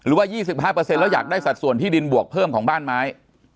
ว่า๒๕แล้วอยากได้สัดส่วนที่ดินบวกเพิ่มของบ้านไม้